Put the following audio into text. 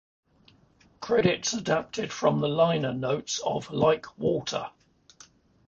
Credits adapted from the liner notes of "Like Water".